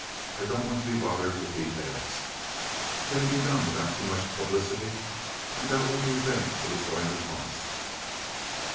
I don't want to be bothered with details. Can it be done without too much publicity, and about what do you think it is going to cost?"